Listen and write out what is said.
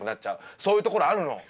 そういうところあるの。